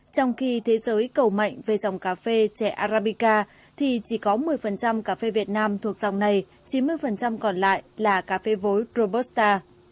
trong khi thế giới cầu mạnh về dòng cà phê trẻ arabica thì chỉ có một mươi cà phê việt nam thuộc dòng này chín mươi còn lại là cà phê vối robusta